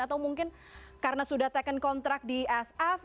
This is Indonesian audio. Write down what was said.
atau mungkin karena sudah taken kontrak di sf